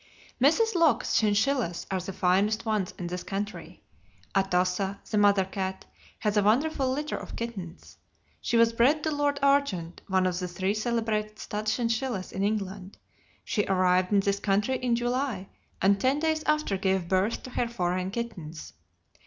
Mrs. Locke's chinchillas are the finest ones in this country. Atossa, the mother cat, has a wonderful litter of kittens. She was bred to Lord Argent, one of the three celebrated stud chinchillas in England. She arrived in this country in July, and ten days after gave birth to her foreign kittens.